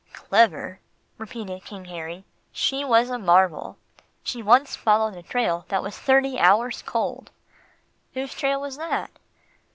"Clever," repeated King Harry, "she was a marvel. She once followed a trail that was thirty hours cold." "Whose trail was that?"